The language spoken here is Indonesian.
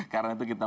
karena itu kita